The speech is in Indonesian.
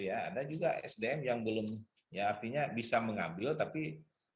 ada juga sdm yang belum artinya bisa mengambil tapi tidak bisa diambil